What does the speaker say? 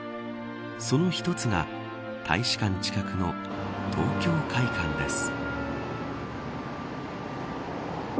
その１つが大使館近くの東京會舘です。